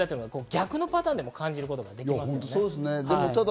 逆のパターンでも感じるということですね。